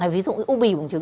ví dụ như u bì bồng trứng